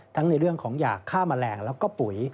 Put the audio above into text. ในเรื่องของยาฆ่าแมลงแล้วก็ปุ๋ย